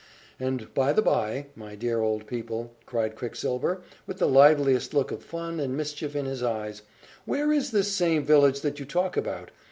"And, by the by, my dear old people," cried Quicksilver, with the liveliest look of fun and mischief in his eyes, "where is this same village that you talk about?